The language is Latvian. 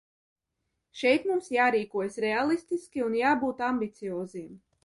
Šeit mums jārīkojas reālistiski un jābūt ambicioziem.